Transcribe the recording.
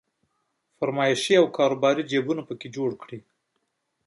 فرمایشي او کاروباري جيبونه په کې جوړ کړي.